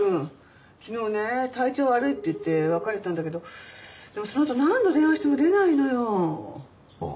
昨日ね体調悪いって言って別れたんだけどでもそのあと何度電話しても出ないのよ。